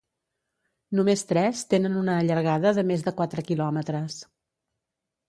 Només tres tenen una allargada de més de quatre quilòmetres.